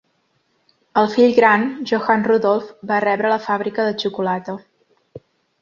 El fill gran, Johann Rudolf, va rebre la fàbrica de xocolata.